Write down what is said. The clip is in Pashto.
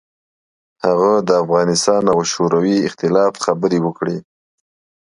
هغه د افغانستان او شوروي اختلاف خبرې وکړې.